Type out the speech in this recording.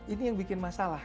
ini yang bikin masalah